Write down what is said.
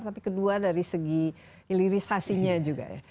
tapi kedua dari segi ilirisasinya juga ya